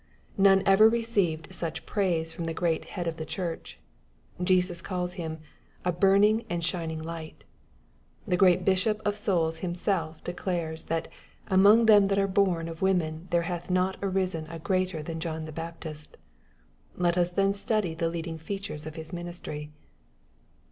None ever received such praise from the great Head of the Church. Jesus calls him " a burning and a shining light." The great Bishop of souls Himself declares, that '^ among them that are born of women there hath not arisen a greater than John the Baptist." Let us then study the leading features of his ministry.